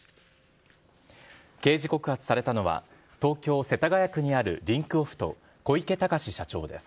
刑事告発されたのは、東京・世田谷区にあるリンクオフと、小池隆志社長です。